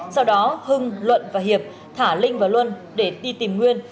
sau đó hưng luân và hiệp thả linh và luân để đi tìm nguyên